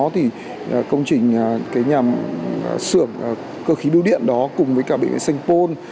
thì công trình cái nhà sửa cơ khí biêu điện đó cùng với cả bệnh viện sengpon